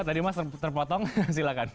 tadi mas terpotong silahkan